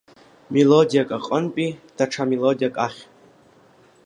Мелодиак аҟнынтәи даҽа мелодиак ахь.